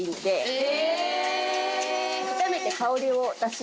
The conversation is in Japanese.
え！